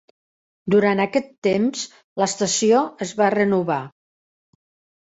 Durant aquest temps, l'estació es va renovar.